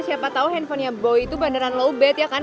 siapa tau hpnya boy itu beneran lowbat ya kan